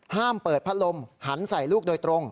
ห้ามเปิดพัดลมหันใส่ลูกโดยตรง